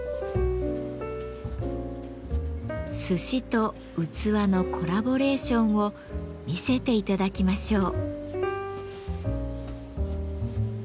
寿司と器のコラボレーションを見せて頂きましょう。